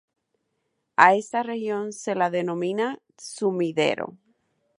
A esta región se la denomina sumidero.